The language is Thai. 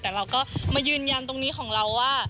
แต่เราก็มายืนยันตรงนี้ของเราว่า